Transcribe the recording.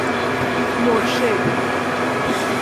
مرشد